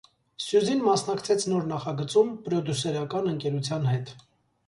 Սյուզին մասնակցեց նոր նախագծում, պրոդյուսերական ընկերության հետ։